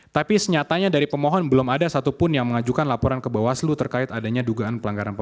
tapi senyatanya dari pemohon belum ada satupun yang mengajukan laporan ke bawaslu terkait adanya dugaan pelanggaran